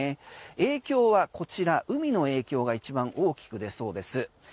影響はこちら、海の影響が一番大きく出そうです。